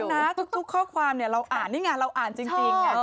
แต่ขอบคุณนะทุกข้อความเราอ่านนี่ไงเราอ่านจริง